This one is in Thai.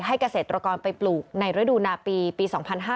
ให้เกษตรกรไปปลูกในระดูนาปีปี๒๕๖๒๒๕๖๓